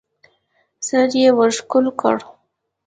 سر يې ورښکل کړ.